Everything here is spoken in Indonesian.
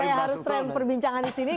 saya harus rem perbincangan disini